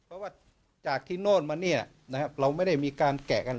เรื่องของวัตถุออกฤษ